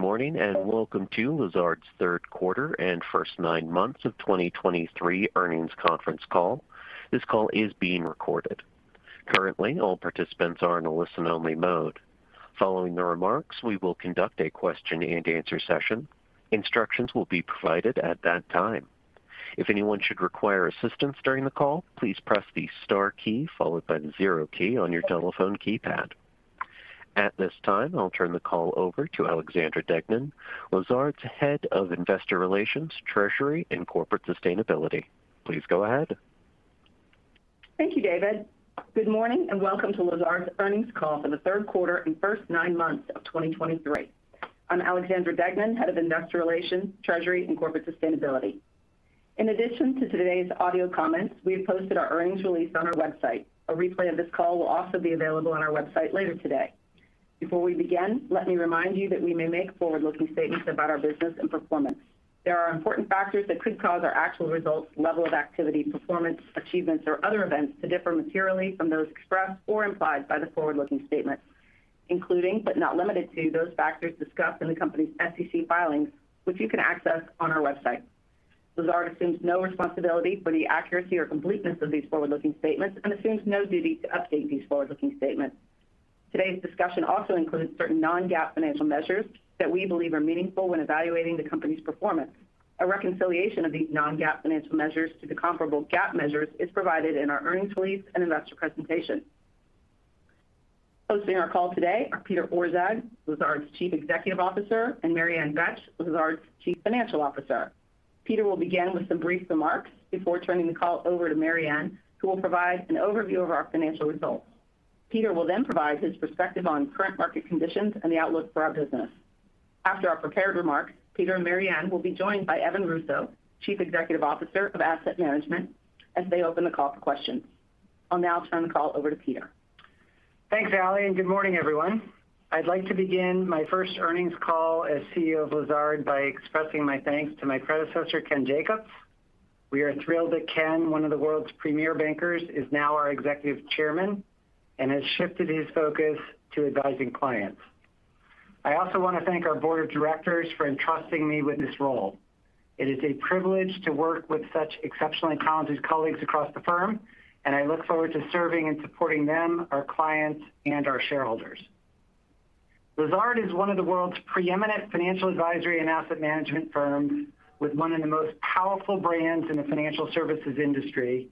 Good morning, and welcome to Lazard's third quarter and first nine months of 2023 earnings conference call. This call is being recorded. Currently, all participants are in a listen-only mode. Following the remarks, we will conduct a question-and-answer session. Instructions will be provided at that time. If anyone should require assistance during the call, please press the star key, followed by the zero key on your telephone keypad. At this time, I'll turn the call over to Alexandra Deignan, Lazard's Head of Investor Relations, Treasury, and Corporate Sustainability. Please go ahead. Thank you, David. Good morning, and welcome to Lazard's earnings call for the third quarter and first nine months of 2023. I'm Alexandra Deignan, Head of Investor Relations, Treasury, and Corporate Sustainability. In addition to today's audio comments, we have posted our earnings release on our website. A replay of this call will also be available on our website later today. Before we begin, let me remind you that we may make forward-looking statements about our business and performance. There are important factors that could cause our actual results, level of activity, performance, achievements, or other events to differ materially from those expressed or implied by the forward-looking statements, including, but not limited to, those factors discussed in the company's SEC filings, which you can access on our website. Lazard assumes no responsibility for the accuracy or completeness of these forward-looking statements and assumes no duty to update these forward-looking statements. Today's discussion also includes certain non-GAAP financial measures that we believe are meaningful when evaluating the company's performance. A reconciliation of these non-GAAP financial measures to the comparable GAAP measures is provided in our earnings release and investor presentation. Hosting our call today are Peter Orszag, Lazard's Chief Executive Officer, and Mary Ann Betsch, Lazard's Chief Financial Officer. Peter will begin with some brief remarks before turning the call over to Mary Ann, who will provide an overview of our financial results. Peter will then provide his perspective on current market conditions and the outlook for our business. After our prepared remarks, Peter and Mary Ann will be joined by Evan Russo, Chief Executive Officer of Asset Management, as they open the call for questions. I'll now turn the call over to Peter. Thanks, Ally, and good morning, everyone. I'd like to begin my first earnings call as CEO of Lazard by expressing my thanks to my predecessor, Ken Jacobs. We are thrilled that Ken, one of the world's premier bankers, is now our Executive Chairman and has shifted his focus to advising clients. I also want to thank our Board of Directors for entrusting me with this role. It is a privilege to work with such exceptionally talented colleagues across the firm, and I look forward to serving and supporting them, our clients, and our shareholders. Lazard is one of the world's preeminent Financial Advisory and Asset Management firms, with one of the most powerful brands in the financial services industry,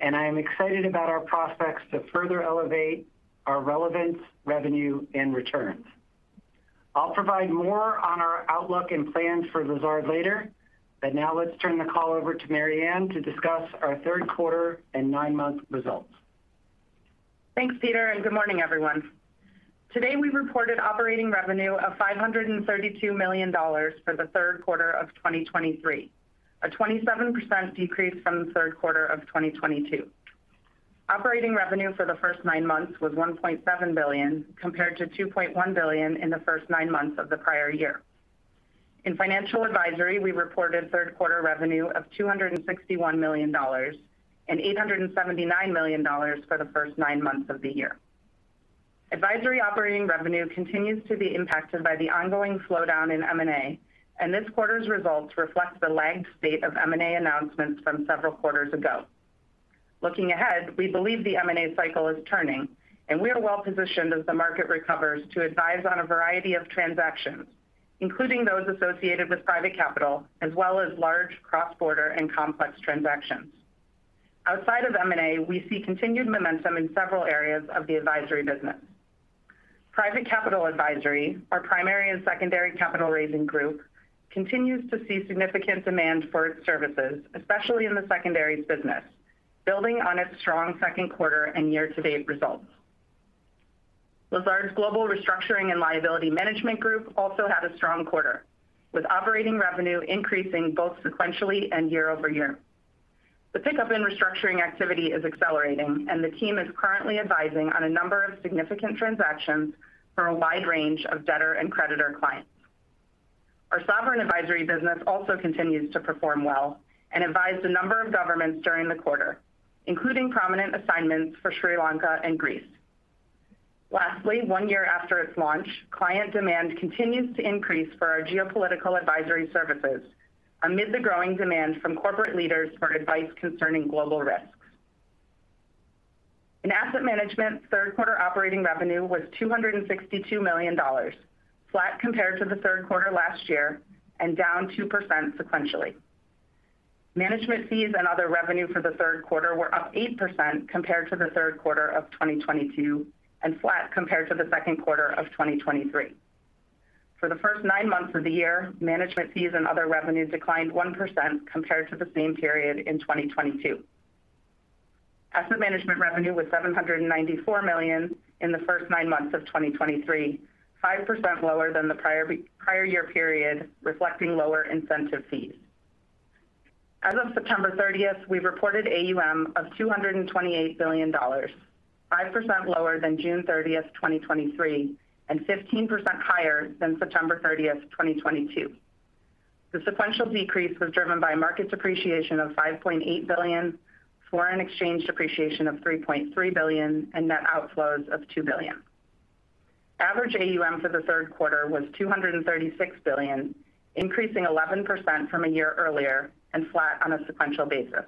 and I am excited about our prospects to further elevate our relevance, revenue, and returns. I'll provide more on our outlook and plans for Lazard later, but now let's turn the call over to Mary Ann to discuss our third quarter and nine-month results. Thanks, Peter, and good morning, everyone. Today, we reported operating revenue of $532 million for the third quarter of 2023, a 27% decrease from the third quarter of 2022. Operating revenue for the first nine months was $1.7 billion, compared to $2.1 billion in the first nine months of the prior year. In Financial Advisory, we reported third quarter revenue of $261 million and $879 million for the first nine months of the year. Advisory operating revenue continues to be impacted by the ongoing slowdown in M&A, and this quarter's results reflect the lagged state of M&A announcements from several quarters ago. Looking ahead, we believe the M&A cycle is turning, and we are well positioned as the market recovers to advise on a variety of transactions, including those associated with private capital, as well as large cross-border and complex transactions. Outside of M&A, we see continued momentum in several areas of the advisory business. Private Capital Advisory, our primary and secondary capital raising group, continues to see significant demand for its services, especially in the secondaries business, building on its strong second quarter and year-to-date results. Lazard's Global Restructuring and Liability Management Group also had a strong quarter, with operating revenue increasing both sequentially and year-over-year. The pickup in restructuring activity is accelerating, and the team is currently advising on a number of significant transactions for a wide range of debtor and creditor clients. Our Sovereign Advisory business also continues to perform well and advised a number of governments during the quarter, including prominent assignments for Sri Lanka and Greece. Lastly, one year after its launch, client demand continues to increase for our Geopolitical Advisory services amid the growing demand from corporate leaders for advice concerning global risks. In Asset Management, third quarter operating revenue was $262 million, flat compared to the third quarter last year and down 2% sequentially. Management fees and other revenue for the third quarter were up 8% compared to the third quarter of 2022, and flat compared to the second quarter of 2023. For the first nine months of the year, management fees and other revenues declined 1% compared to the same period in 2022. Asset Management revenue was $794 million in the first nine months of 2023, 5% lower than the prior, prior year period, reflecting lower incentive fees. As of September 30th, we reported AUM of $228 billion, 5% lower than June 30th, 2023, and 15% higher than September 30th, 2022.... The sequential decrease was driven by market depreciation of $5.8 billion, foreign exchange depreciation of $3.3 billion, and net outflows of $2 billion. Average AUM for the third quarter was $236 billion, increasing 11% from a year earlier, and flat on a sequential basis.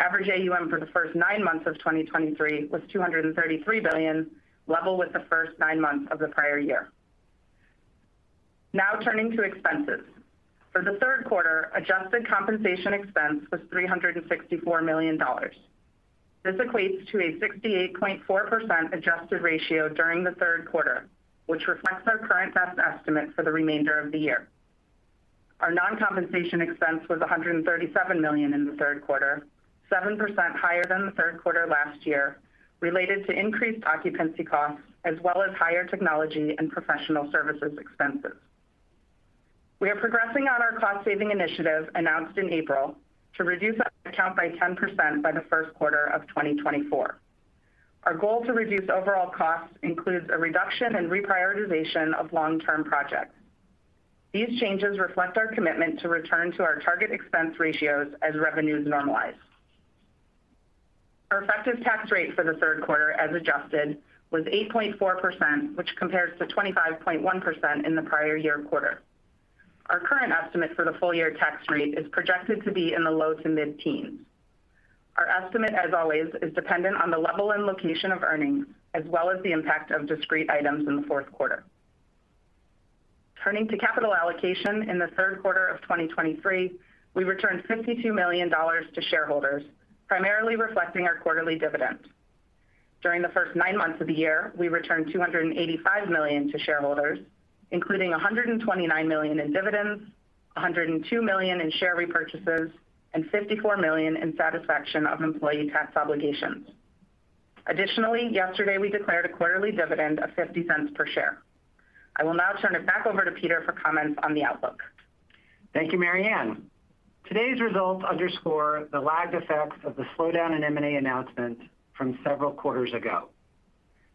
Average AUM for the first nine months of 2023 was $233 billion, level with the first nine months of the prior year. Now turning to expenses. For the third quarter, adjusted compensation expense was $364 million. This equates to a 68.4% adjusted ratio during the third quarter, which reflects our current best estimate for the remainder of the year. Our non-compensation expense was $137 million in the third quarter, 7% higher than the third quarter last year, related to increased occupancy costs, as well as higher technology and professional services expenses. We are progressing on our cost-saving initiative, announced in April, to reduce our headcount by 10% by the first quarter of 2024. Our goal to reduce overall costs includes a reduction and reprioritization of long-term projects. These changes reflect our commitment to return to our target expense ratios as revenues normalize. Our effective tax rate for the third quarter, as adjusted, was 8.4%, which compares to 25.1% in the prior year quarter. Our current estimate for the full year tax rate is projected to be in the low- to mid-teens. Our estimate, as always, is dependent on the level and location of earnings, as well as the impact of discrete items in the fourth quarter. Turning to capital allocation, in the third quarter of 2023, we returned $52 million to shareholders, primarily reflecting our quarterly dividend. During the first nine months of the year, we returned $285 million to shareholders, including $129 million in dividends, $102 million in share repurchases, and $54 million in satisfaction of employee tax obligations. Additionally, yesterday, we declared a quarterly dividend of $0.50 per share. I will now turn it back over to Peter for comments on the outlook. Thank you, Mary Ann. Today's results underscore the lagged effects of the slowdown in M&A announcement from several quarters ago.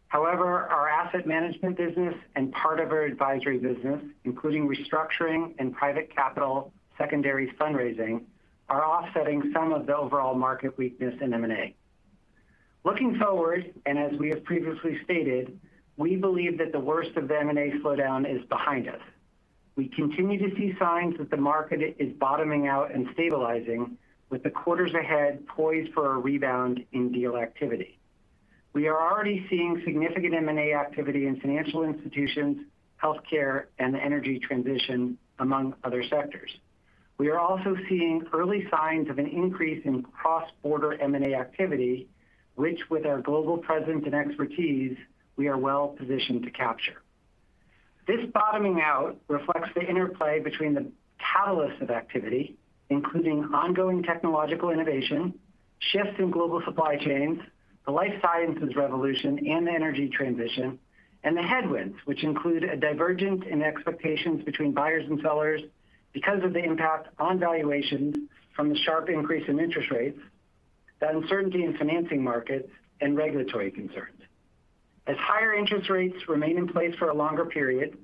However, our Asset Management business and part of our advisory business, including restructuring and private capital, secondary fundraising, are offsetting some of the overall market weakness in M&A. Looking forward, and as we have previously stated, we believe that the worst of the M&A slowdown is behind us. We continue to see signs that the market is bottoming out and stabilizing, with the quarters ahead poised for a rebound in deal activity. We are already seeing significant M&A activity in financial institutions, healthcare, and the energy transition, among other sectors. We are also seeing early signs of an increase in cross-border M&A activity, which with our global presence and expertise, we are well positioned to capture. This bottoming out reflects the interplay between the catalysts of activity, including ongoing technological innovation, shifts in global supply chains, the life sciences revolution, and the energy transition, and the headwinds, which include a divergence in expectations between buyers and sellers because of the impact on valuation from the sharp increase in interest rates, the uncertainty in financing markets, and regulatory concerns. As higher interest rates remain in place for a longer period,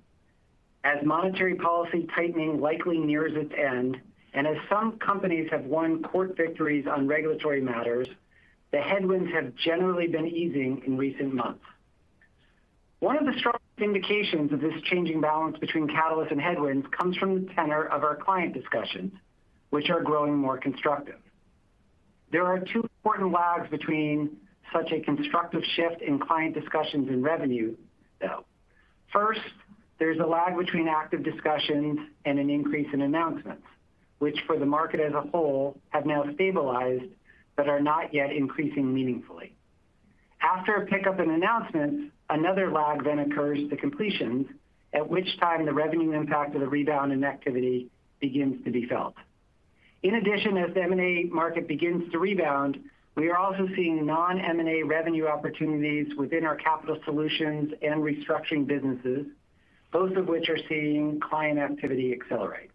as monetary policy tightening likely nears its end, and as some companies have won court victories on regulatory matters, the headwinds have generally been easing in recent months. One of the strongest indications of this changing balance between catalysts and headwinds comes from the tenor of our client discussions, which are growing more constructive. There are two important lags between such a constructive shift in client discussions and revenue, though. First, there's a lag between active discussions and an increase in announcements, which for the market as a whole, have now stabilized, but are not yet increasing meaningfully. After a pickup in announcements, another lag then occurs to completions, at which time the revenue impact of the rebound in activity begins to be felt. In addition, as the M&A market begins to rebound, we are also seeing non-M&A revenue opportunities within our capital solutions and restructuring businesses, both of which are seeing client activity accelerate.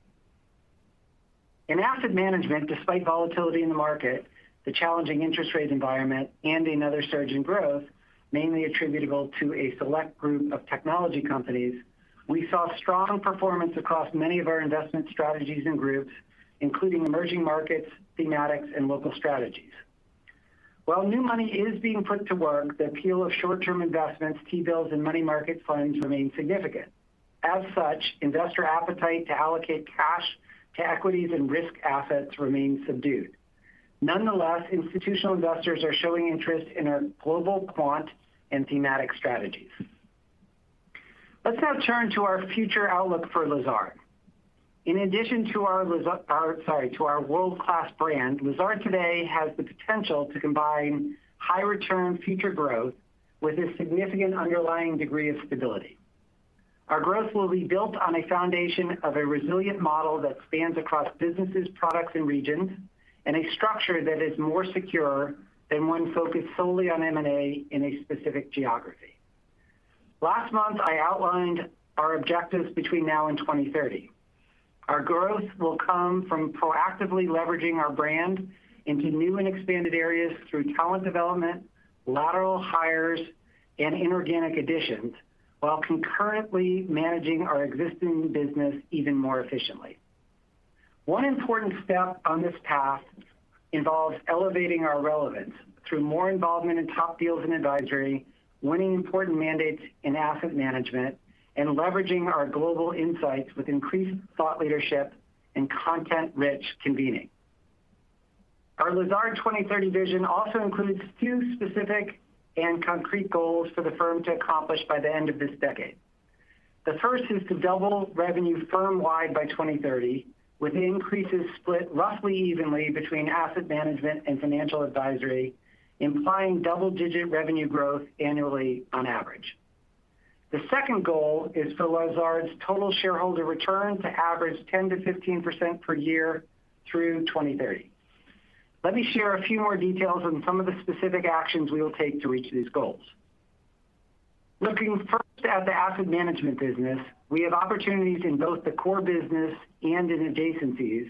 In Asset Management, despite volatility in the market, the challenging interest rate environment and another surge in growth, mainly attributable to a select group of technology companies, we saw strong performance across many of our investment strategies and groups, including emerging markets, thematics, and local strategies. While new money is being put to work, the appeal of short-term investments, T-bills, and money market funds remain significant. As such, investor appetite to allocate cash to equities and risk assets remains subdued. Nonetheless, institutional investors are showing interest in our global quant and thematic strategies. Let's now turn to our future outlook for Lazard. In addition to our world-class brand, Lazard today has the potential to combine high return future growth with a significant underlying degree of stability. Our growth will be built on a foundation of a resilient model that spans across businesses, products, and regions, and a structure that is more secure than one focused solely on M&A in a specific geography. Last month, I outlined our objectives between now and 2030. Our growth will come from proactively leveraging our brand into new and expanded areas through talent development, lateral hires and inorganic additions, while concurrently managing our existing business even more efficiently. One important step on this path involves elevating our relevance through more involvement in top deals and advisory, winning important mandates in Asset Management, and leveraging our global insights with increased thought leadership and content-rich convening. Our Lazard 2030 vision also includes two specific and concrete goals for the firm to accomplish by the end of this decade. The first is to double revenue firm-wide by 2030, with increases split roughly evenly between Asset Management and Financial Advisory, implying double-digit revenue growth annually on average. The second goal is for Lazard's total shareholder return to average 10%-15% per year through 2030. Let me share a few more details on some of the specific actions we will take to reach these goals. Looking first at the Asset Management business, we have opportunities in both the core business and in adjacencies,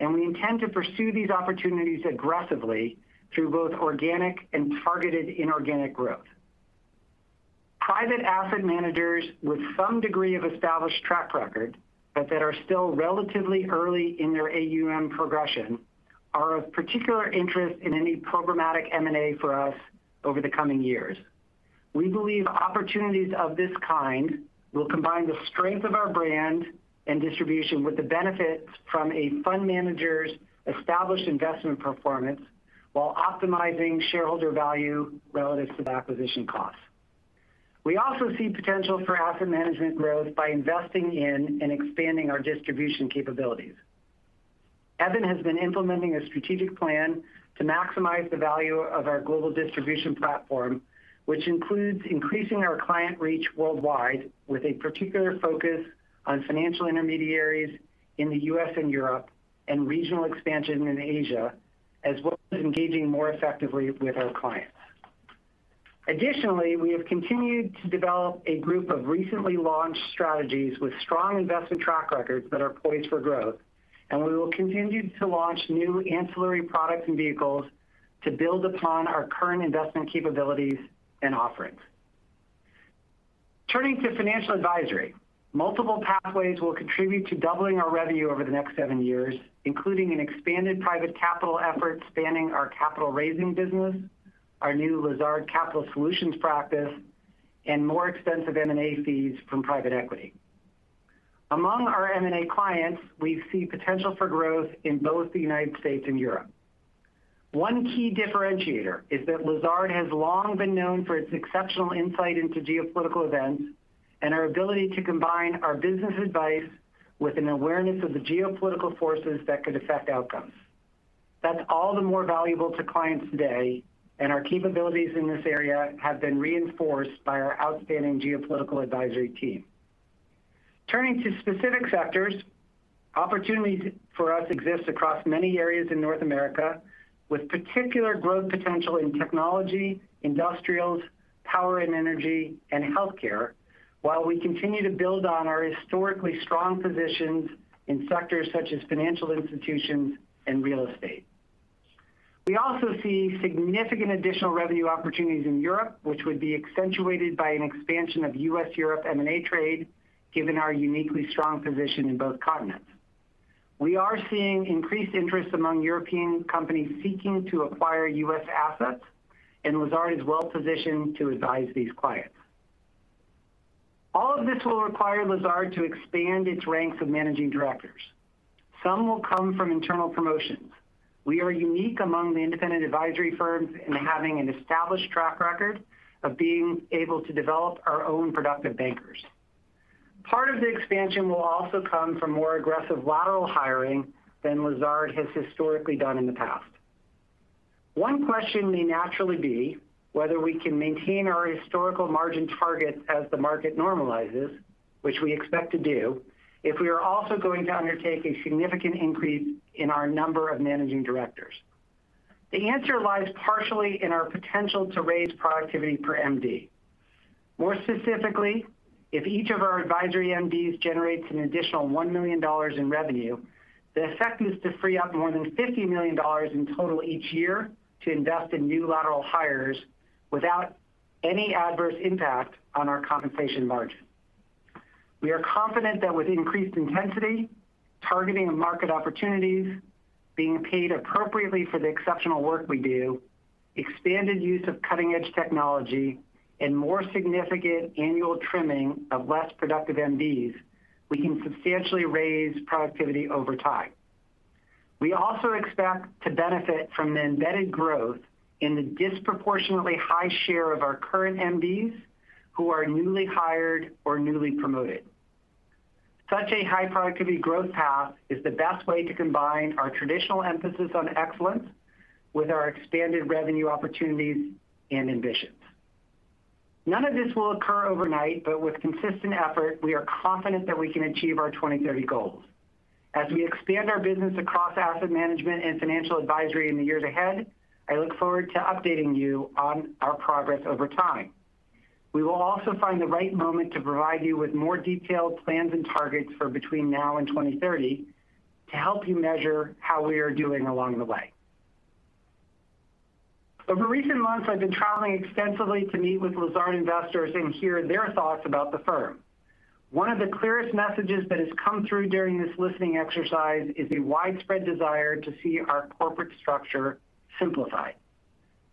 and we intend to pursue these opportunities aggressively through both organic and targeted inorganic growth. Private asset managers with some degree of established track record, but that are still relatively early in their AUM progression, are of particular interest in any programmatic M&A for us over the coming years. We believe opportunities of this kind will combine the strength of our brand and distribution with the benefits from a fund manager's established investment performance, while optimizing shareholder value relative to the acquisition costs. We also see potential for Asset Management growth by investing in and expanding our distribution capabilities. Evan has been implementing a strategic plan to maximize the value of our global distribution platform, which includes increasing our client reach worldwide, with a particular focus on financial intermediaries in the U.S. and Europe, and regional expansion in Asia, as well as engaging more effectively with our clients. Additionally, we have continued to develop a group of recently launched strategies with strong investment track records that are poised for growth, and we will continue to launch new ancillary products and vehicles to build upon our current investment capabilities and offerings. Turning to Financial Advisory, multiple pathways will contribute to doubling our revenue over the next seven years, including an expanded private capital effort spanning our capital raising business, our new Lazard Capital Solutions practice, and more extensive M&A fees from private equity. Among our M&A clients, we see potential for growth in both the United States and Europe. One key differentiator is that Lazard has long been known for its exceptional insight into geopolitical events and our ability to combine our business advice with an awareness of the geopolitical forces that could affect outcomes. That's all the more valuable to clients today, and our capabilities in this area have been reinforced by our outstanding Geopolitical Advisory team. Turning to specific sectors, opportunities for us exist across many areas in North America, with particular growth potential in technology, industrials, power and energy, and healthcare, while we continue to build on our historically strong positions in sectors such as financial institutions and real estate. We also see significant additional revenue opportunities in Europe, which would be accentuated by an expansion of U.S.-Europe M&A trade, given our uniquely strong position in both continents. We are seeing increased interest among European companies seeking to acquire U.S. assets, and Lazard is well-positioned to advise these clients. All of this will require Lazard to expand its ranks of managing directors. Some will come from internal promotions. We are unique among the independent advisory firms in having an established track record of being able to develop our own productive bankers. Part of the expansion will also come from more aggressive lateral hiring than Lazard has historically done in the past. One question may naturally be whether we can maintain our historical margin targets as the market normalizes, which we expect to do, if we are also going to undertake a significant increase in our number of managing directors. The answer lies partially in our potential to raise productivity per MD. More specifically, if each of our advisory MDs generates an additional $1 million in revenue, the effect is to free up more than $50 million in total each year to invest in new lateral hires without any adverse impact on our compensation margin. We are confident that with increased intensity, targeting of market opportunities, being paid appropriately for the exceptional work we do, expanded use of cutting-edge technology, and more significant annual trimming of less productive MDs, we can substantially raise productivity over time. We also expect to benefit from the embedded growth in the disproportionately high share of our current MDs who are newly hired or newly promoted. Such a high productivity growth path is the best way to combine our traditional emphasis on excellence with our expanded revenue opportunities and ambitions. None of this will occur overnight, but with consistent effort, we are confident that we can achieve our 2030 goals. As we expand our business across Asset Management and Financial Advisory in the years ahead, I look forward to updating you on our progress over time. We will also find the right moment to provide you with more detailed plans and targets for between now and 2030, to help you measure how we are doing along the way.... Over recent months, I've been traveling extensively to meet with Lazard investors and hear their thoughts about the firm. One of the clearest messages that has come through during this listening exercise is a widespread desire to see our corporate structure simplified.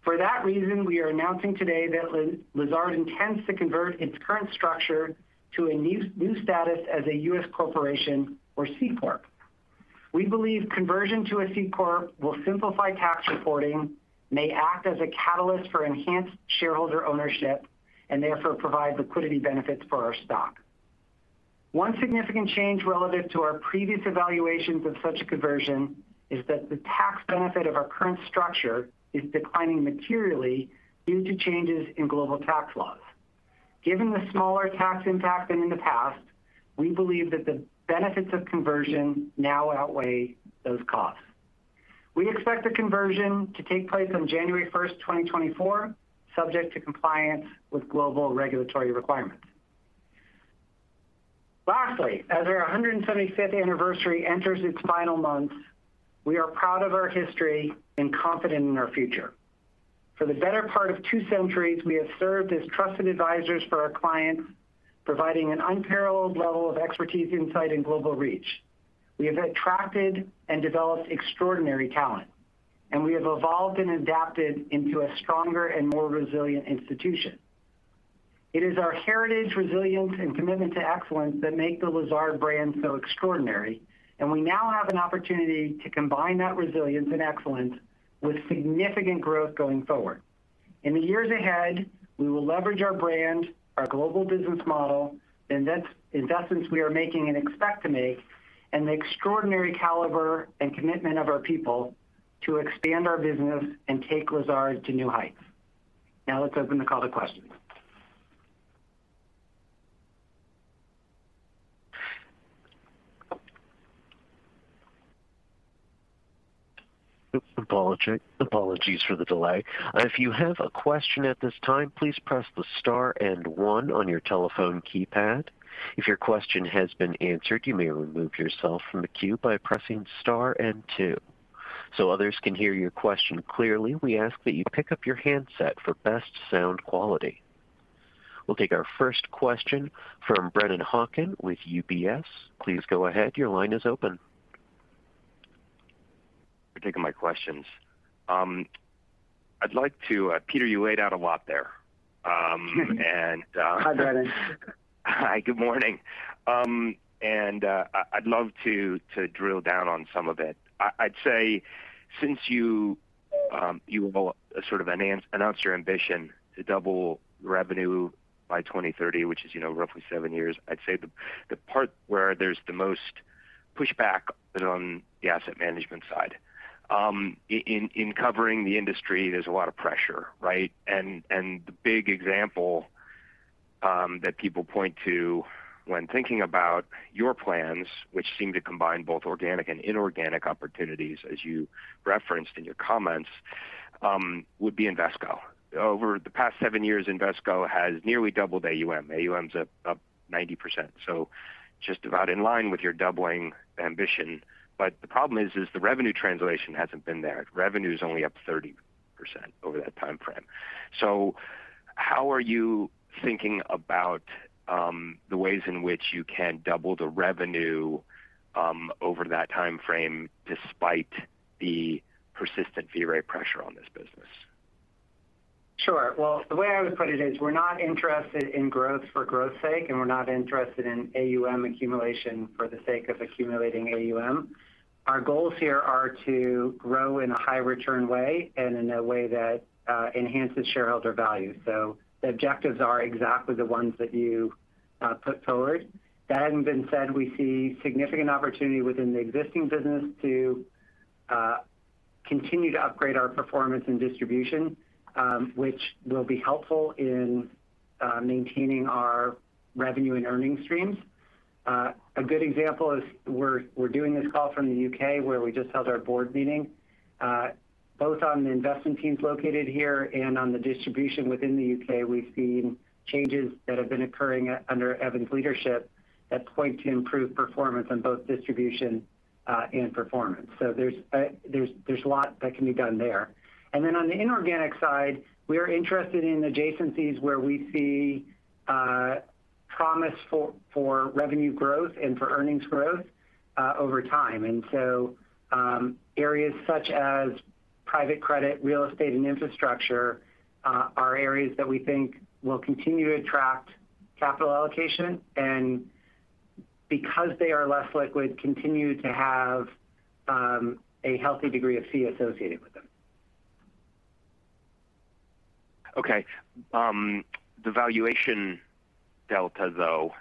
For that reason, we are announcing today that Lazard intends to convert its current structure to a new status as a U.S. corporation or C-Corp. We believe conversion to a C-Corp will simplify tax reporting, may act as a catalyst for enhanced shareholder ownership, and therefore provide liquidity benefits for our stock. One significant change relative to our previous evaluations of such a conversion is that the tax benefit of our current structure is declining materially due to changes in global tax laws. Given the smaller tax impact than in the past, we believe that the benefits of conversion now outweigh those costs. We expect the conversion to take place on January 1st, 2024, subject to compliance with global regulatory requirements. Lastly, as our 175th anniversary enters its final months, we are proud of our history and confident in our future. For the better part of two centuries, we have served as trusted advisors for our clients, providing an unparalleled level of expertise, insight, and global reach. We have attracted and developed extraordinary talent, and we have evolved and adapted into a stronger and more resilient institution. It is our heritage, resilience, and commitment to excellence that make the Lazard brand so extraordinary, and we now have an opportunity to combine that resilience and excellence with significant growth going forward. In the years ahead, we will leverage our brand, our global business model, investments we are making and expect to make, and the extraordinary caliber and commitment of our people to expand our business and take Lazard to new heights. Now let's open the call to questions. Oops, apologies for the delay. If you have a question at this time, please press the star and one on your telephone keypad. If your question has been answered, you may remove yourself from the queue by pressing star and two. So others can hear your question clearly, we ask that you pick up your handset for best sound quality. We'll take our first question from Brennan Hawken with UBS. Please go ahead. Your line is open. For taking my questions. I'd like to, Peter, you laid out a lot there, and, Hi, Brennan. Hi, good morning. I'd love to drill down on some of it. I'd say since you all sort of announced your ambition to double revenue by 2030, which is, you know, roughly seven years, I'd say the part where there's the most pushback is on the Asset Management side. In covering the industry, there's a lot of pressure, right? And the big example that people point to when thinking about your plans, which seem to combine both organic and inorganic opportunities, as you referenced in your comments, would be Invesco. Over the past seven years, Invesco has nearly doubled AUM. AUM's up 90%, so just about in line with your doubling ambition. But the problem is the revenue translation hasn't been there. Revenue is only up 30% over that time frame. So how are you thinking about the ways in which you can double the revenue over that time frame, despite the persistent fee rate pressure on this business? Sure. Well, the way I would put it is, we're not interested in growth for growth's sake, and we're not interested in AUM accumulation for the sake of accumulating AUM. Our goals here are to grow in a high return way and in a way that enhances shareholder value. So the objectives are exactly the ones that you put forward. That having been said, we see significant opportunity within the existing business to continue to upgrade our performance and distribution, which will be helpful in maintaining our revenue and earnings streams. A good example is we're doing this call from the U.K., where we just held our board meeting. Both on the investment teams located here and on the distribution within the U.K., we've seen changes that have been occurring under Evan's leadership that point to improved performance on both distribution and performance. So there's, there's a lot that can be done there. And then on the inorganic side, we are interested in adjacencies where we see promise for revenue growth and for earnings growth over time. And so, areas such as private credit, real estate, and infrastructure are areas that we think will continue to attract capital allocation, and because they are less liquid, continue to have a healthy degree of fee associated with them. Okay. The valuation delta, though,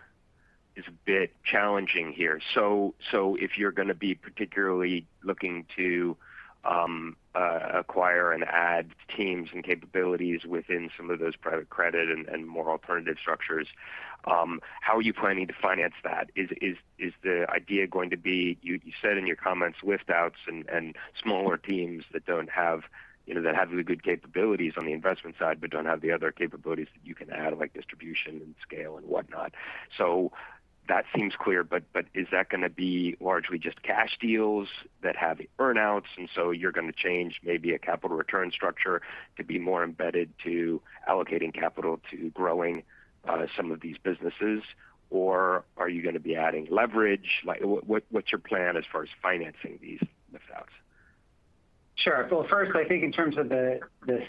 is a bit challenging here. So if you're going to be particularly looking to acquire and add teams and capabilities within some of those private credit and more alternative structures, how are you planning to finance that? Is the idea going to be... You said in your comments, lift outs and smaller teams that don't have- you know, that have the good capabilities on the investment side, but don't have the other capabilities that you can add, like distribution and scale and whatnot. So that seems clear, but is that gonna be largely just cash deals that have earn-outs, and so you're gonna change maybe a capital return structure to be more embedded to allocating capital to growing some of these businesses? Or are you gonna be adding leverage? Like, what, what's your plan as far as financing these, these outs? Sure. Well, first, I think in terms of the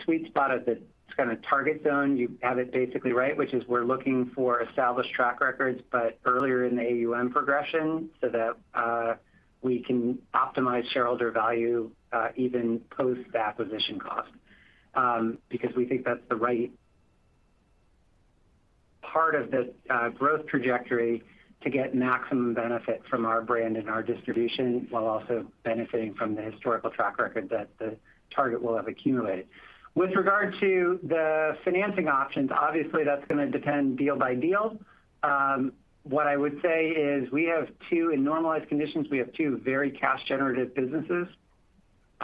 sweet spot of the kind of target zone, you have it basically right, which is we're looking for established track records, but earlier in the AUM progression, so that we can optimize shareholder value, even post the acquisition cost. Because we think that's the right part of the growth trajectory to get maximum benefit from our brand and our distribution, while also benefiting from the historical track record that the target will have accumulated. With regard to the financing options, obviously, that's gonna depend deal by deal. What I would say is we have two—in normalized conditions, we have two very cash-generative businesses.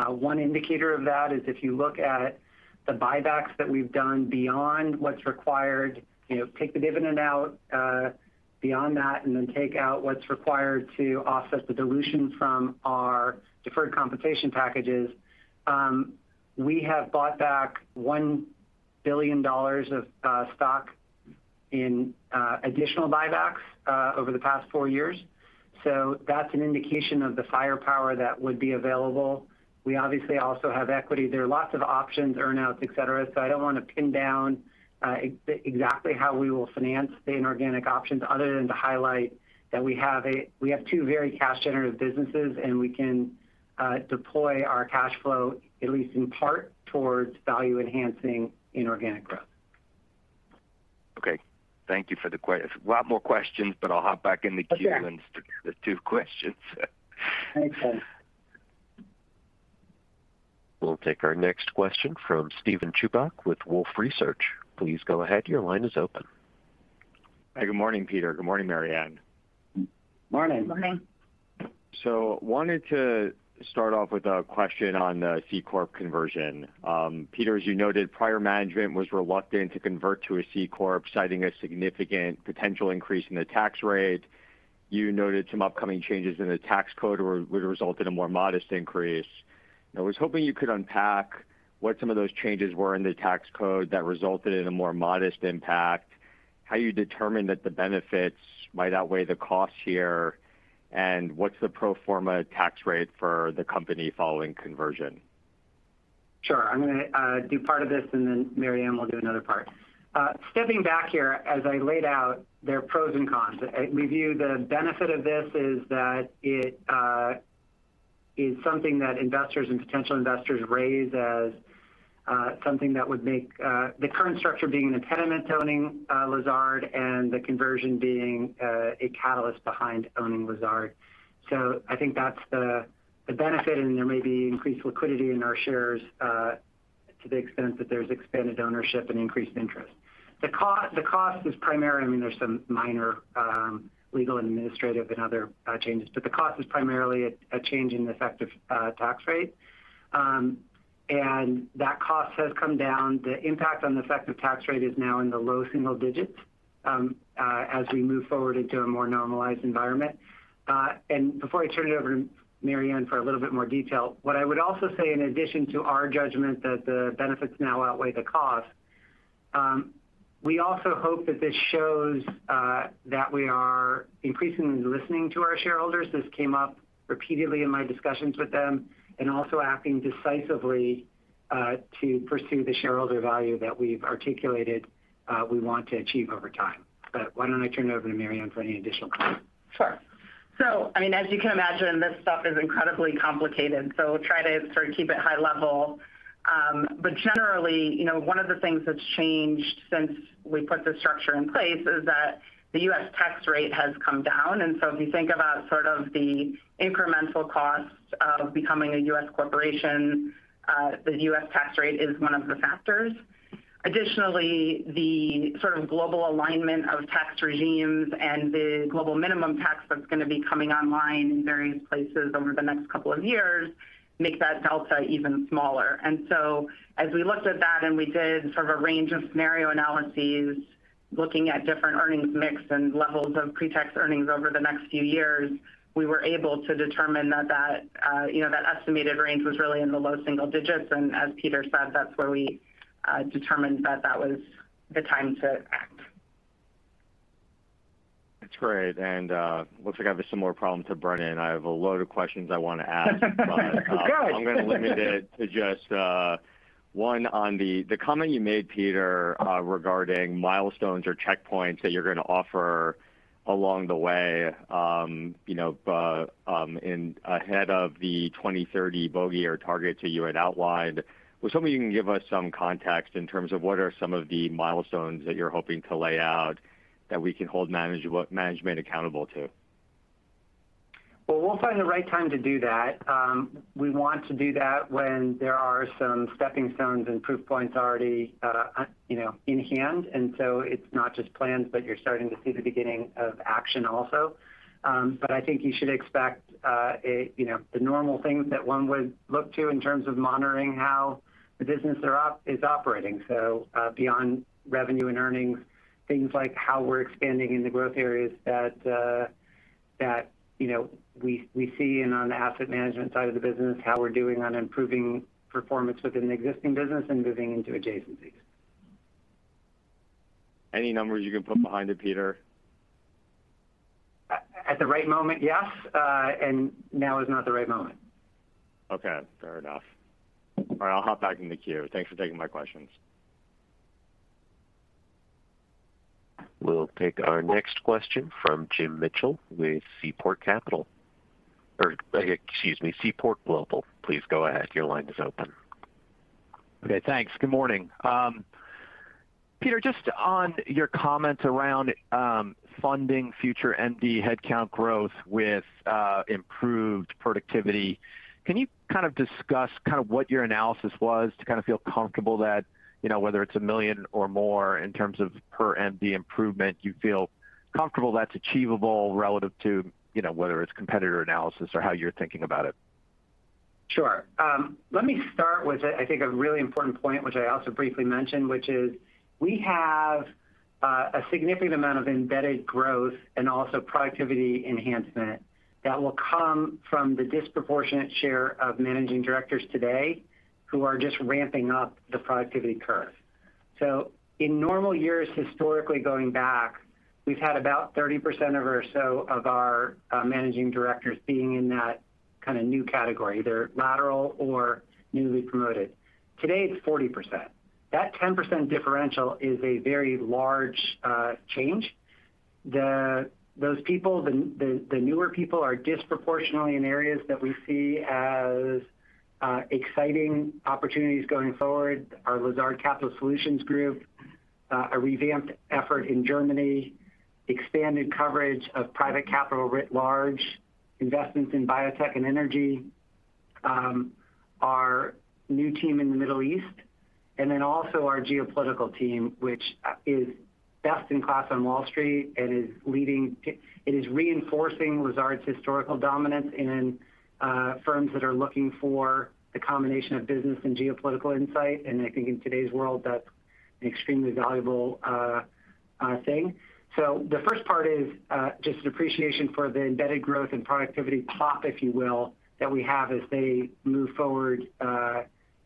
One indicator of that is if you look at the buybacks that we've done beyond what's required, you know, take the dividend out, beyond that, and then take out what's required to offset the dilution from our deferred compensation packages. We have bought back $1 billion of stock in additional buybacks over the past four years. So that's an indication of the firepower that would be available. We obviously also have equity. There are lots of options, earn-outs, et cetera, so I don't want to pin down exactly how we will finance the inorganic options other than to highlight that we have a-- we have two very cash-generative businesses, and we can deploy our cash flow, at least in part, towards value-enhancing inorganic growth. Okay, thank you for the question. A lot more questions, but I'll hop back in the queue. Okay. - stick with two questions. Thanks, guys. We'll take our next question from Steven Chubak with Wolfe Research. Please go ahead. Your line is open. Hi, good morning, Peter. Good morning, Mary Ann. Morning. Good morning. Wanted to start off with a question on the C-Corp conversion. Peter, as you noted, prior management was reluctant to convert to a C-Corp, citing a significant potential increase in the tax rate. You noted some upcoming changes in the tax code would result in a more modest increase. I was hoping you could unpack what some of those changes were in the tax code that resulted in a more modest impact, how you determined that the benefits might outweigh the costs here, and what's the pro forma tax rate for the company following conversion? Sure. I'm gonna do part of this, and then Mary Ann will do another part. Stepping back here, as I laid out, there are pros and cons. I review the benefit of this is that it is something that investors and potential investors raise as something that would make the current structure being an impediment to owning Lazard, and the conversion being a catalyst behind owning Lazard. So I think that's the benefit, and there may be increased liquidity in our shares to the extent that there's expanded ownership and increased interest. The cost, the cost is primarily, I mean, there's some minor legal, and administrative and other changes, but the cost is primarily a change in the effective tax rate. And that cost has come down. The impact on the effective tax rate is now in the low single digits, as we move forward into a more normalized environment. Before I turn it over to Mary Ann for a little bit more detail, what I would also say in addition to our judgment that the benefits now outweigh the cost, we also hope that this shows that we are increasingly listening to our shareholders. This came up repeatedly in my discussions with them, and also acting decisively to pursue the shareholder value that we've articulated we want to achieve over time. But why don't I turn it over to Mary Ann for any additional comments? Sure. So, I mean, as you can imagine, this stuff is incredibly complicated, so try to sort of keep it high level. But generally, you know, one of the things that's changed since we put this structure in place is that the U.S. tax rate has come down. And so if you think about sort of the incremental costs of becoming a U.S. corporation, the U.S. tax rate is one of the factors. Additionally, the sort of global alignment of tax regimes and the global minimum tax that's gonna be coming online in various places over the next couple of years make that delta even smaller. So as we looked at that and we did sort of a range of scenario analyses, looking at different earnings mix and levels of pre-tax earnings over the next few years, we were able to determine that that, you know, that estimated range was really in the low single digits. As Peter said, that's where we determined that that was the time to act. That's great, and, looks like I have a similar problem to Brennan. I have a load of questions I want to ask- Good! But I'm gonna limit it to just one on the comment you made, Peter, regarding milestones or checkpoints that you're gonna offer along the way, you know, ahead of the 2030 bogey or target that you had outlined. Was wondering if you can give us some context in terms of what are some of the milestones that you're hoping to lay out that we can hold management accountable to? ... Well, we'll find the right time to do that. We want to do that when there are some stepping stones and proof points already, you know, in hand. And so it's not just plans, but you're starting to see the beginning of action also. But I think you should expect, you know, the normal things that one would look to in terms of monitoring how the business is operating. So, beyond revenue and earnings, things like how we're expanding in the growth areas that, you know, we see, and on the Asset Management side of the business, how we're doing on improving performance within the existing business and moving into adjacencies. Any numbers you can put behind it, Peter? At the right moment, yes, and now is not the right moment. Okay, fair enough. All right, I'll hop back in the queue. Thanks for taking my questions. We'll take our next question from Jim Mitchell with Seaport Capital- or, excuse me, Seaport Global. Please go ahead. Your line is open. Okay, thanks. Good morning. Peter, just on your comment around funding future MD headcount growth with improved productivity, can you kind of discuss kind of what your analysis was to kind of feel comfortable that, you know, whether it's $1 million or more in terms of per MD improvement, you feel comfortable that's achievable relative to, you know, whether it's competitor analysis or how you're thinking about it? Sure. Let me start with, I think, a really important point, which I also briefly mentioned, which is we have a significant amount of embedded growth and also productivity enhancement that will come from the disproportionate share of managing directors today, who are just ramping up the productivity curve. So in normal years, historically, going back, we've had about 30% or so of our managing directors being in that kind of new category, either lateral or newly promoted. Today, it's 40%. That 10% differential is a very large change. Those people, the newer people are disproportionately in areas that we see as exciting opportunities going forward. Our Lazard Capital Solutions group, a revamped effort in Germany, expanded coverage of private capital writ large, investments in biotech and energy, our new team in the Middle East, and then also our geopolitical team, which is best in class on Wall Street and is leading to-- it is reinforcing Lazard's historical dominance in firms that are looking for the combination of business and geopolitical insight. And I think in today's world, that's an extremely valuable thing. So the first part is just an appreciation for the embedded growth and productivity pop, if you will, that we have as they move forward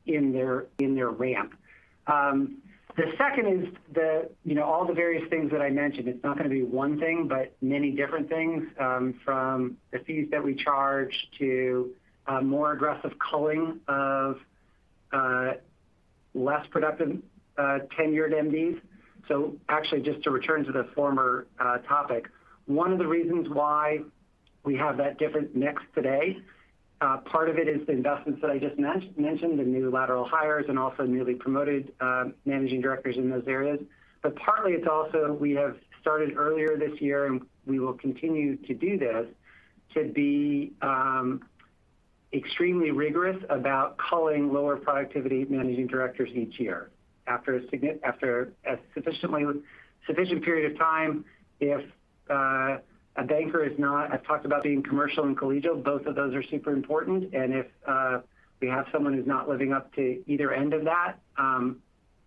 in their ramp. The second is the, you know, all the various things that I mentioned. It's not going to be one thing, but many different things, from the fees that we charge to more aggressive culling of less productive tenured MDs. So actually, just to return to the former topic, one of the reasons why we have that different mix today, part of it is the investments that I just mentioned, the new lateral hires, and also newly promoted managing directors in those areas. But partly, it's also we have started earlier this year, and we will continue to do this, to be extremely rigorous about culling lower productivity managing directors each year. After a sufficient period of time, if a banker is not... I've talked about being commercial and collegial, both of those are super important, and if we have someone who's not living up to either end of that,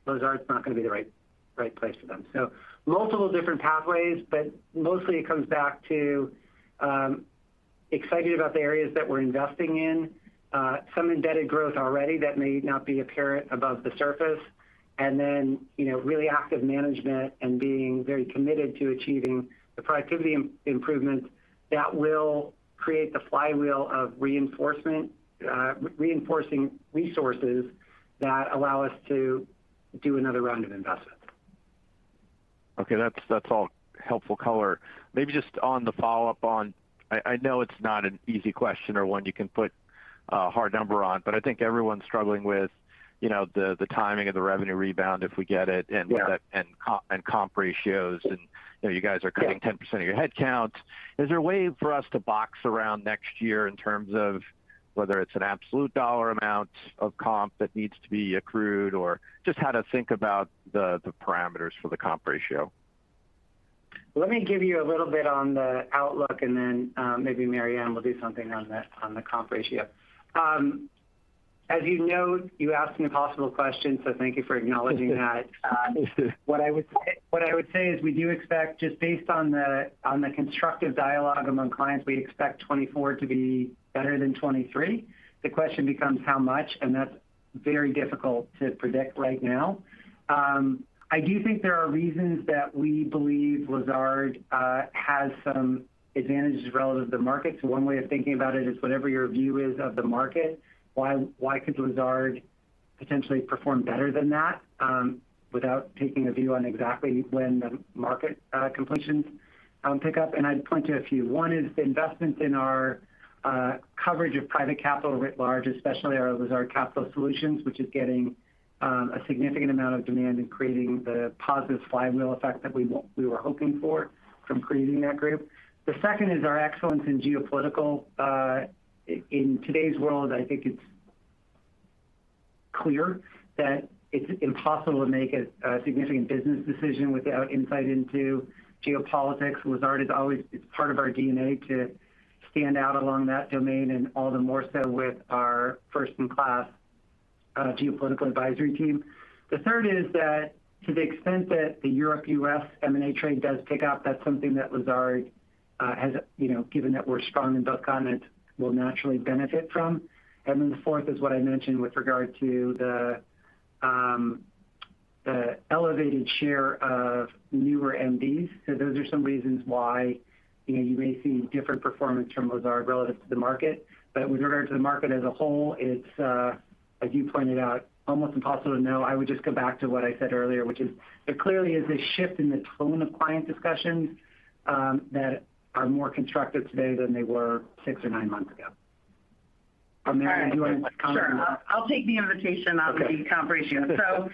Lazard is not going to be the right, right place for them. So multiple different pathways, but mostly it comes back to excited about the areas that we're investing in, some embedded growth already that may not be apparent above the surface, and then, you know, really active management and being very committed to achieving the productivity improvement that will create the flywheel of reinforcing resources that allow us to do another round of investments. Okay. That's, that's all helpful color. Maybe just on the follow-up on... I, I know it's not an easy question or one you can put a hard number on, but I think everyone's struggling with, you know, the, the timing of the revenue rebound, if we get it- Yeah... and comp ratios, and, you know, you guys are cutting- Yeah 10% of your headcount. Is there a way for us to box around next year in terms of whether it's an absolute dollar amount of comp that needs to be accrued, or just how to think about the parameters for the comp ratio? Let me give you a little bit on the outlook, and then, maybe Mary Ann will do something on the comp ratio. As you know, you asked me a possible question, so thank you for acknowledging that. What I would say, what I would say is we do expect, just based on the constructive dialogue among clients, we expect 2024 to be better than 2023. The question becomes how much, and that's very difficult to predict right now. I do think there are reasons that we believe Lazard has some advantages relative to the market. So one way of thinking about it is, whatever your view is of the market, why could Lazard potentially perform better than that? Without taking a view on exactly when the market completions pick up, and I'd point to a few. One is the investment in our coverage of private capital writ large, especially our Lazard Capital Solutions, which is getting a significant amount of demand in creating the positive flywheel effect that we were hoping for from creating that group. The second is our excellence in geopolitical. In today's world, I think it's clear that it's impossible to make a significant business decision without insight into geopolitics. Lazard is always; it's part of our DNA to stand out along that domain, and all the more so with our first-in-class Geopolitical Advisory team. The third is that to the extent that the Europe-U.S. M&A trade does pick up, that's something that Lazard has, you know, given that we're strong in both continents, will naturally benefit from. And then the fourth is what I mentioned with regard to the elevated share of newer MDs. So those are some reasons why, you know, you may see different performance from Lazard relative to the market. But with regard to the market as a whole, it's as you pointed out, almost impossible to know. I would just go back to what I said earlier, which is there clearly is a shift in the tone of client discussions that are more constructive today than they were six or nine months ago. America, do you want to comment? Sure. I'll take the invitation on- Okay the comp ratio. So,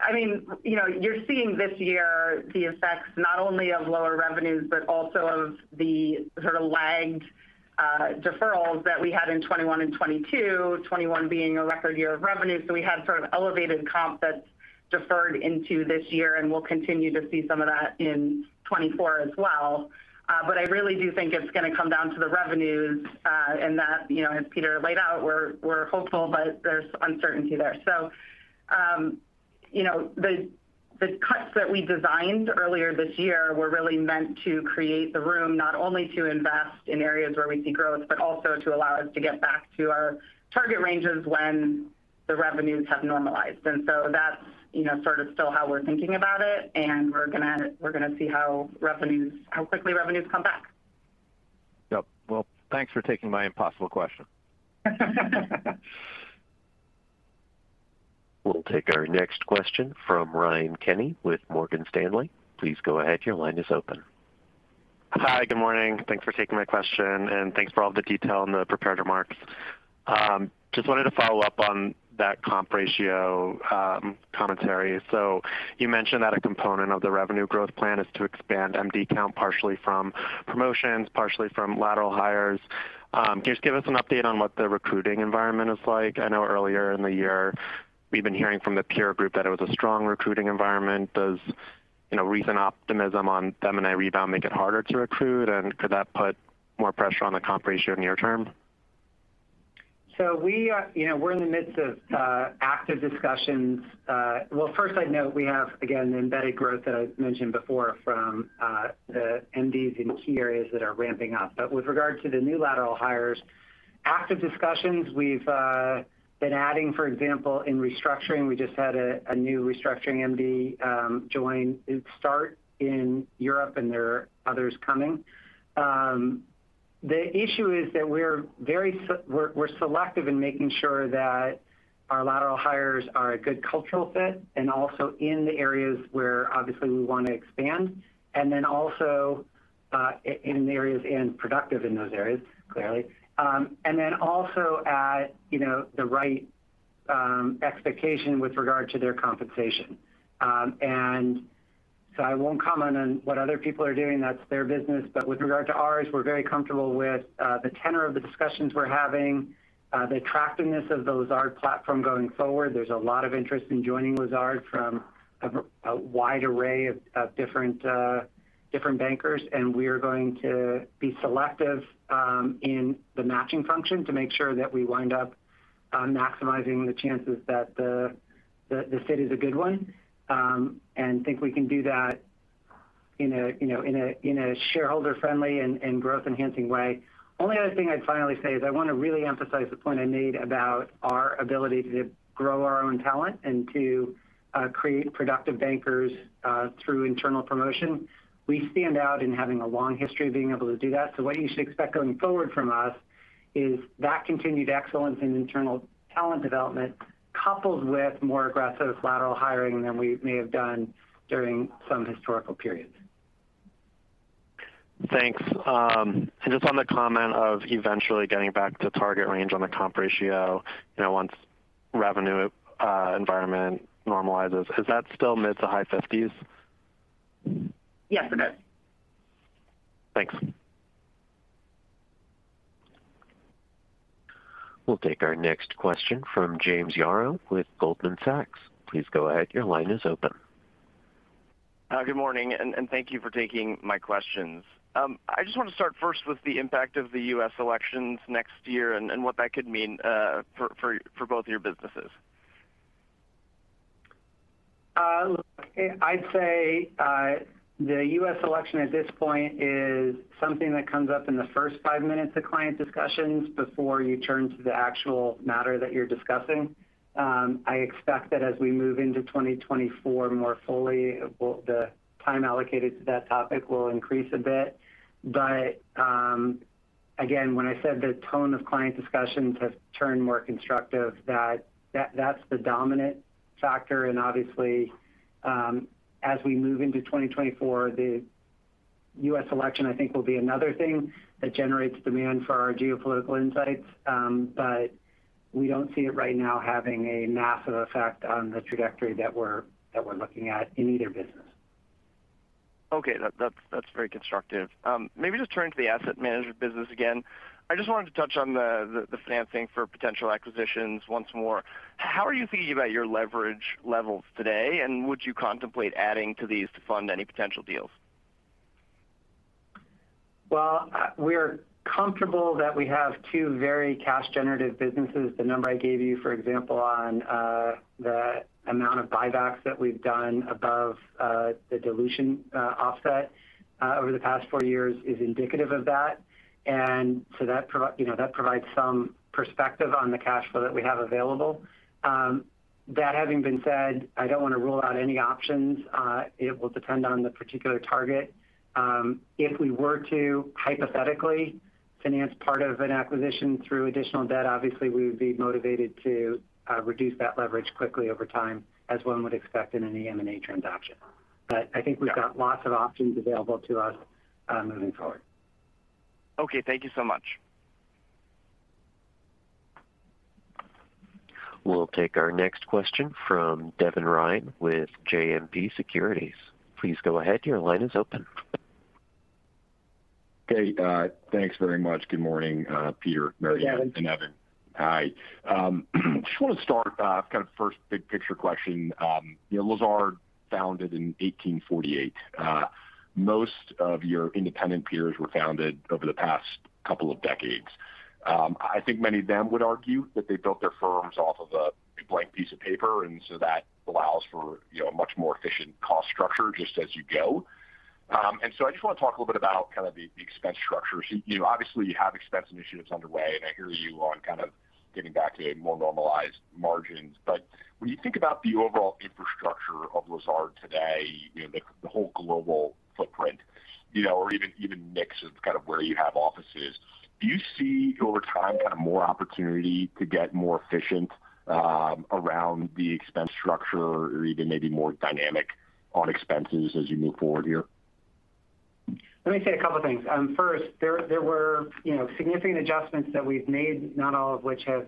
I mean, you know, you're seeing this year the effects not only of lower revenues, but also of the sort of lagged deferrals that we had in 2021 and 2022. 2021 being a record year of revenue, so we had sort of elevated comp that's deferred into this year, and we'll continue to see some of that in 2024 as well. But I really do think it's gonna come down to the revenues, and that, you know, as Peter laid out, we're, we're hopeful, but there's uncertainty there. So, you know, the cuts that we designed earlier this year were really meant to create the room, not only to invest in areas where we see growth, but also to allow us to get back to our target ranges when the revenues have normalized. And so that's, you know, sort of still how we're thinking about it, and we're gonna see how revenues, how quickly revenues come back. Yep. Well, thanks for taking my impossible question. We'll take our next question from Ryan Kenny with Morgan Stanley. Please go ahead. Your line is open. Hi, good morning. Thanks for taking my question, and thanks for all the detail in the prepared remarks. Just wanted to follow up on that comp ratio commentary. So you mentioned that a component of the revenue growth plan is to expand MD count, partially from promotions, partially from lateral hires. Can you just give us an update on what the recruiting environment is like? I know earlier in the year, we've been hearing from the peer group that it was a strong recruiting environment. Does, you know, recent optimism on M&A rebound make it harder to recruit? And could that put more pressure on the comp ratio near term? So we are—you know, we're in the midst of active discussions. Well, first I'd note we have, again, the embedded growth that I mentioned before from the MDs in key areas that are ramping up. But with regard to the new lateral hires, active discussions, we've been adding, for example, in restructuring, we just had a new restructuring MD join and start in Europe, and there are others coming. The issue is that we're very selective in making sure that our lateral hires are a good cultural fit and also in the areas where obviously we want to expand, and then also in the areas and productive in those areas, clearly. And then also at, you know, the right expectation with regard to their compensation. And so I won't comment on what other people are doing, that's their business. But with regard to ours, we're very comfortable with the tenor of the discussions we're having, the attractiveness of the Lazard platform going forward. There's a lot of interest in joining Lazard from a wide array of different bankers, and we are going to be selective in the matching function to make sure that we wind up maximizing the chances that the fit is a good one. And think we can do that in a, you know, in a shareholder-friendly and growth-enhancing way. Only other thing I'd finally say is I want to really emphasize the point I made about our ability to grow our own talent and to create productive bankers through internal promotion. We stand out in having a long history of being able to do that. What you should expect going forward from us is that continued excellence in internal talent development, coupled with more aggressive lateral hiring than we may have done during some historical periods. Thanks. Just on the comment of eventually getting back to target range on the comp ratio, you know, once revenue environment normalizes, is that still mid to high 50s? Yes, it is. Thanks. We'll take our next question from James Yaro with Goldman Sachs. Please go ahead. Your line is open. Good morning, and thank you for taking my questions. I just want to start first with the impact of the U.S. elections next year and what that could mean for both of your businesses. I'd say the U.S. election at this point is something that comes up in the first five minutes of client discussions before you turn to the actual matter that you're discussing. I expect that as we move into 2024 more fully, well, the time allocated to that topic will increase a bit. But again, when I said the tone of client discussions have turned more constructive, that's the dominant factor. And obviously, as we move into 2024, the U.S. election, I think, will be another thing that generates demand for our geopolitical insights. But we don't see it right now having a massive effect on the trajectory that we're looking at in either business. ... Okay, that's very constructive. Maybe just turn to the Asset Management business again. I just wanted to touch on the financing for potential acquisitions once more. How are you thinking about your leverage levels today, and would you contemplate adding to these to fund any potential deals? Well, we are comfortable that we have two very cash-generative businesses. The number I gave you, for example, on the amount of buybacks that we've done above the dilution offset over the past four years is indicative of that. And so that provide- you know, that provides some perspective on the cash flow that we have available. That having been said, I don't want to rule out any options. It will depend on the particular target. If we were to hypothetically finance part of an acquisition through additional debt, obviously, we would be motivated to reduce that leverage quickly over time, as one would expect in any M&A transaction. But I think we've- Yeah... got lots of options available to us, moving forward. Okay, thank you so much. We'll take our next question from Devin Ryan with JMP Securities. Please go ahead. Your line is open. Okay. Thanks very much. Good morning, Peter, Mary- Hey, Devin - and Evan. Hi. Just want to start, kind of first big-picture question. You know, Lazard, founded in 1848. Most of your independent peers were founded over the past couple of decades. I think many of them would argue that they built their firms off of a blank piece of paper, and so that allows for, you know, a much more efficient cost structure just as you go. And so I just want to talk a little bit about kind of the expense structure. So, you know, obviously, you have expense initiatives underway, and I hear you on kind of getting back to more normalized margins. But when you think about the overall infrastructure of Lazard today, you know, the whole global footprint, you know, or even mix of kind of where you have offices, do you see over time, kind of more opportunity to get more efficient, around the expense structure or even maybe more dynamic on expenses as you move forward here? Let me say a couple of things. First, there were, you know, significant adjustments that we've made, not all of which have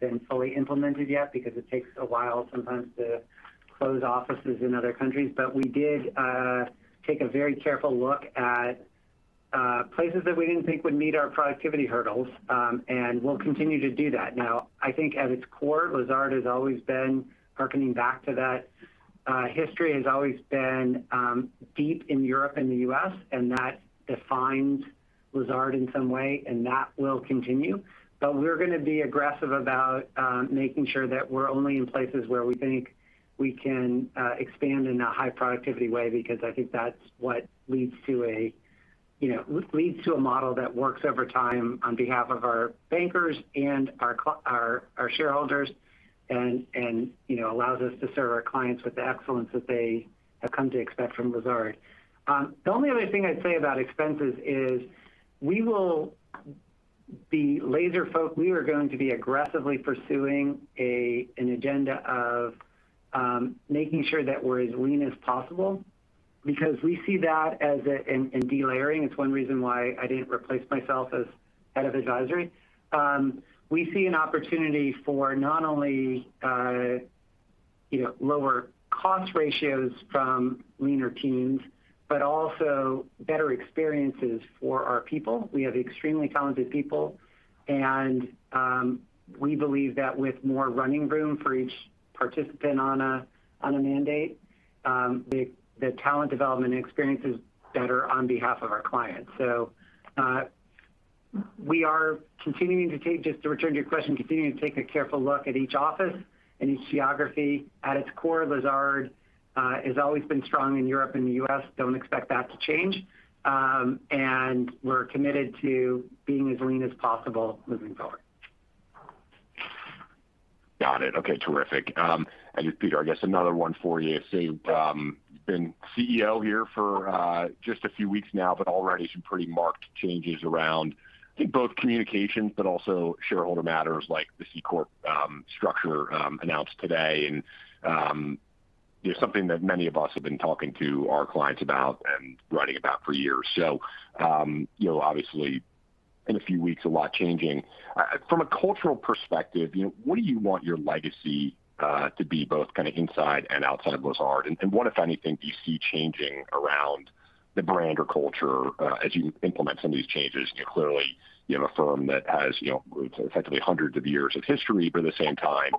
been fully implemented yet because it takes a while sometimes to close offices in other countries. But we did take a very careful look at places that we didn't think would meet our productivity hurdles, and we'll continue to do that. Now, I think at its core, Lazard has always been hearkening back to that. History has always been deep in Europe and the U.S., and that defines Lazard in some way, and that will continue. But we're going to be aggressive about making sure that we're only in places where we think we can expand in a high-productivity way, because I think that's what leads to a, you know, leads to a model that works over time on behalf of our bankers and our shareholders, and, and, you know, allows us to serve our clients with the excellence that they have come to expect from Lazard. The only other thing I'd say about expenses is we will be laser-focused. We are going to be aggressively pursuing an agenda of making sure that we're as lean as possible because we see that as a... And delayering, it's one reason why I didn't replace myself as head of advisory. We see an opportunity for not only, you know, lower cost ratios from leaner teams, but also better experiences for our people. We have extremely talented people, and we believe that with more running room for each participant on a mandate, the talent development and experience is better on behalf of our clients. So, we are continuing to take, just to return to your question, continuing to take a careful look at each office and each geography. At its core, Lazard has always been strong in Europe and the U.S. Don't expect that to change. We're committed to being as lean as possible moving forward. Got it. Okay, terrific. And just, Peter, I guess another one for you. So, been CEO here for just a few weeks now, but already some pretty marked changes around, I think, both communications but also shareholder matters like the C-Corp structure announced today. And, there's something that many of us have been talking to our clients about and writing about for years. So, you know, obviously, in a few weeks, a lot changing. From a cultural perspective, you know, what do you want your legacy to be, both kind of inside and outside of Lazard? And what, if anything, do you see changing around the brand or culture as you implement some of these changes? You know, clearly, you have a firm that has, you know, effectively hundreds of years of history, but at the same time,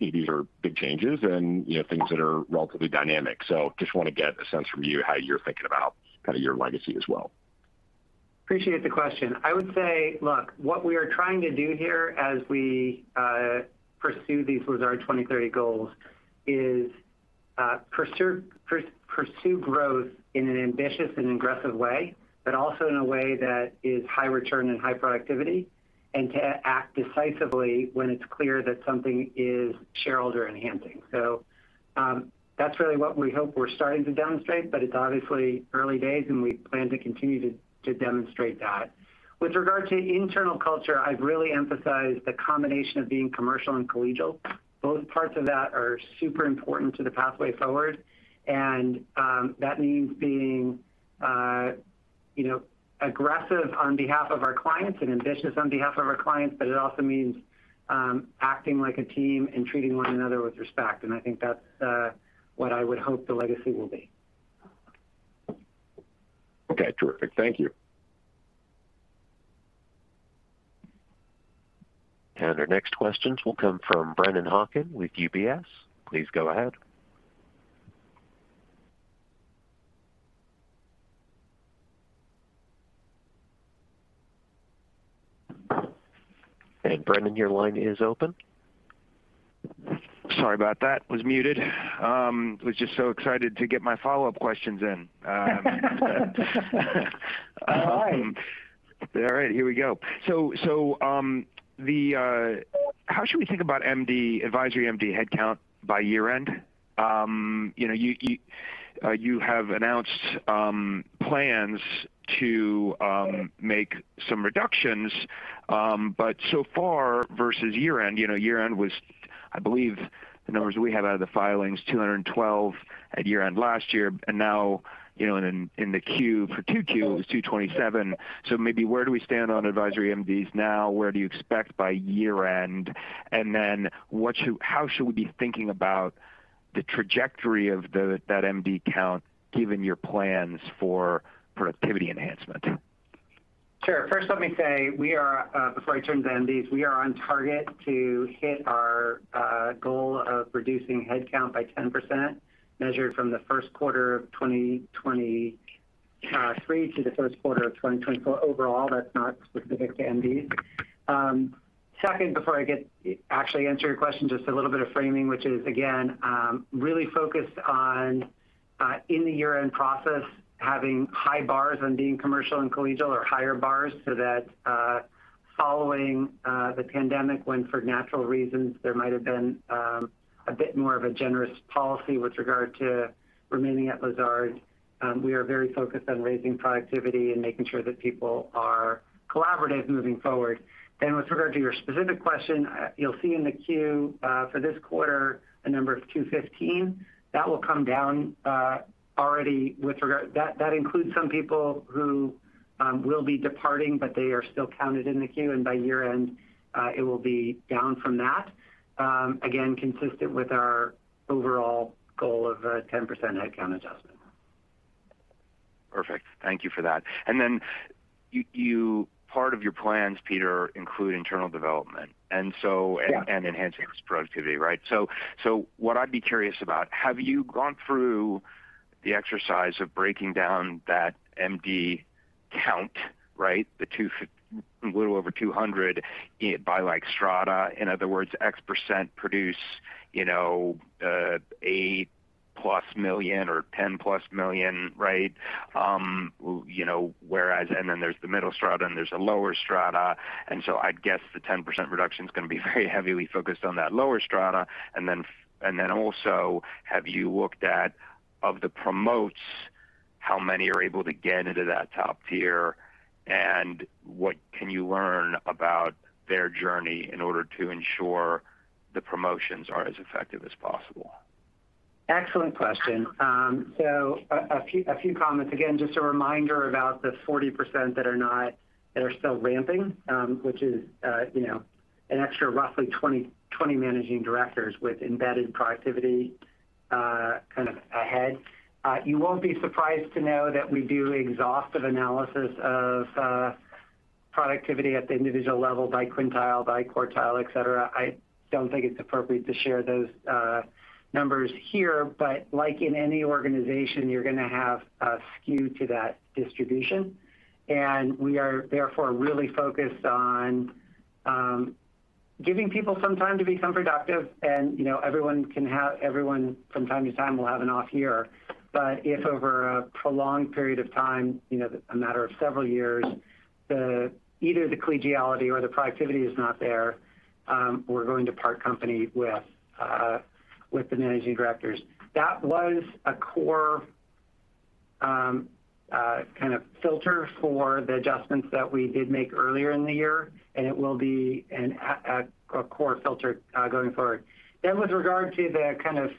these are big changes and, you know, things that are relatively dynamic. So just want to get a sense from you how you're thinking about kind of your legacy as well. Appreciate the question. I would say, look, what we are trying to do here as we pursue these Lazard 2030 goals is pursue growth in an ambitious and aggressive way, but also in a way that is high return and high productivity, and to act decisively when it's clear that something is shareholder enhancing. So, that's really what we hope we're starting to demonstrate, but it's obviously early days, and we plan to continue to demonstrate that. With regard to internal culture, I've really emphasized the combination of being commercial and collegial. Both parts of that are super important to the pathway forward, and that means being, you know, aggressive on behalf of our clients and ambitious on behalf of our clients, but it also means acting like a team and treating one another with respect. I think that's what I would hope the legacy will be. Okay, terrific. Thank you. And our next questions will come from Brennan Hawken with UBS. Please go ahead. And Brennan, your line is open. Sorry about that. Was muted. Was just so excited to get my follow-up questions in. Hi. All right, here we go. So, how should we think about MD, advisory MD headcount by year-end? You know, you have announced plans to make some reductions, but so far, versus year-end, you know, year-end was, I believe the numbers we have out of the filings, 212 at year-end last year, and now, you know, in the Q, for 2Q, it was 227. So maybe where do we stand on advisory MDs now? Where do you expect by year-end? And then what should- how should we be thinking about the trajectory of the, that MD count, given your plans for productivity enhancement? Sure. First, let me say we are, before I turn to MDs, we are on target to hit our goal of reducing headcount by 10%, measured from the first quarter of 2023 to the first quarter of 2024. Overall, that's not specific to MDs. Second, before I get to actually answer your question, just a little bit of framing, which is again, really focused on, in the year-end process, having high bars on being commercial and collegial, or higher bars, so that, following the pandemic, when for natural reasons, there might have been, a bit more of a generous policy with regard to remaining at Lazard. We are very focused on raising productivity and making sure that people are collaborative moving forward. Then with regard to your specific question, you'll see in the queue for this quarter a number of 215. That will come down, already with regard to that. That includes some people who will be departing, but they are still counted in the queue, and by year-end it will be down from that. Again, consistent with our overall goal of a 10% headcount adjustment. Perfect. Thank you for that. And then you part of your plans, Peter, include internal development, and so- Yeah. And enhancing productivity, right? So, what I'd be curious about, have you gone through the exercise of breaking down that MD count, right? The two... Little over 200 by, like, strata. In other words, X% produce, you know, $8+ million or $10+ million, right? You know, whereas, and then there's the middle strata, and there's a lower strata. And so I'd guess the 10% reduction is going to be very heavily focused on that lower strata. And then, and then also, have you looked at, of the promotes, how many are able to get into that top tier? And what can you learn about their journey in order to ensure the promotions are as effective as possible? Excellent question. So, a few comments. Again, just a reminder about the 40% that are not, that are still ramping, which is, you know, an extra roughly 20, 20 managing directors with embedded productivity, kind of ahead. You won't be surprised to know that we do exhaustive analysis of productivity at the individual level by quintile, by quartile, et cetera. I don't think it's appropriate to share those numbers here, but like in any organization, you're going to have a skew to that distribution. And we are therefore really focused on giving people some time to be productive. And, you know, everyone from time to time will have an off year. But if over a prolonged period of time, you know, a matter of several years, either the collegiality or the productivity is not there, we're going to part company with the Managing Directors. That was a core kind of filter for the adjustments that we did make earlier in the year, and it will be a core filter going forward. Then with regard to the kind of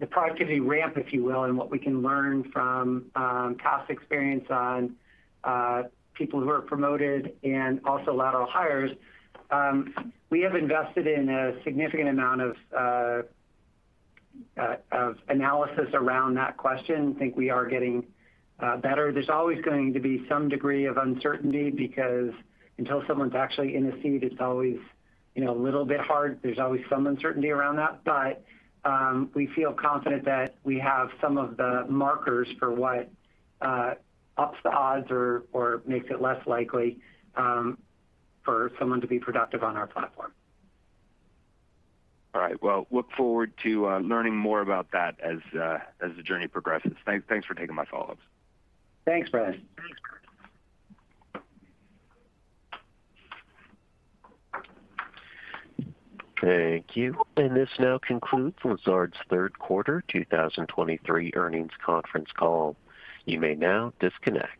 the productivity ramp, if you will, and what we can learn from past experience on people who are promoted and also lateral hires, we have invested in a significant amount of analysis around that question. I think we are getting better. There's always going to be some degree of uncertainty because until someone's actually in a seat, it's always, you know, a little bit hard. There's always some uncertainty around that. But, we feel confident that we have some of the markers for what ups the odds or makes it less likely for someone to be productive on our platform. All right. Well, look forward to learning more about that as the journey progresses. Thanks, thanks for taking my follow-ups. Thanks, Brennan. Thank you. This now concludes Lazard's Third Quarter 2023 Earnings Conference Call. You may now disconnect.